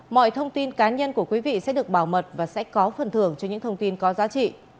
mọi thông tin cá nhân của quý vị sẽ được bảo mật và sẽ có phần thưởng cho những thông tin có giá trị